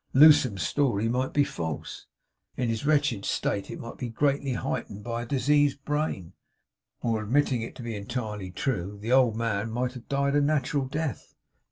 Lewsome's story might be false; in his wretched state it might be greatly heightened by a diseased brain; or admitting it to be entirely true, the old man might have died a natural death.